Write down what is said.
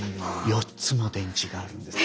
４つも電池があるんです。